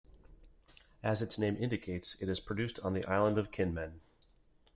As its name indicates, it is produced on the island of Kinmen.